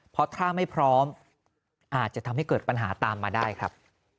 เพราะถ้าไม่พร้อมอาจจะทำให้เกิดปัญหาตามมาได้ครับ